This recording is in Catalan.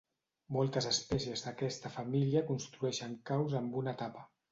Moltes espècies d'aquesta família construeixen caus amb una tapa.